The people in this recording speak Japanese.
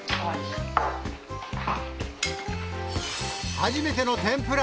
初めての天ぷら。